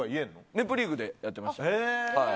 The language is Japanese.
「ネプリーグ」とかやっていました。